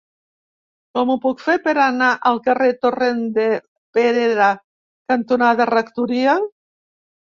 Com ho puc fer per anar al carrer Torrent de Perera cantonada Rectoria?